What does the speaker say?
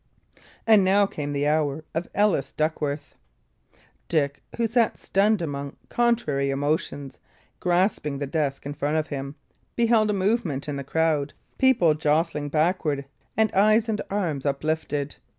And now came the hour of Ellis Duckworth. Dick, who sat stunned among contrary emotions, grasping the desk in front of him, beheld a movement in the crowd, people jostling backward, and eyes and arms uplifted.